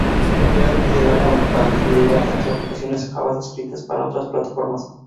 Esto impide la compatibilidad entre aplicaciones Java escritas para otras plataformas.